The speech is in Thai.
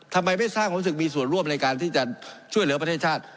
ทำไมไม่สร้างความรู้สึกมีส่วนร่วมในการที่จะช่วยเหลือประเทศชาติ